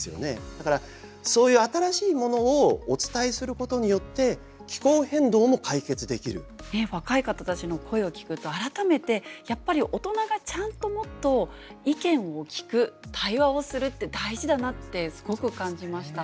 だからそういう若い方たちの声を聞くと改めてやっぱり大人がちゃんともっと意見を聞く対話をするって大事だなってすごく感じました。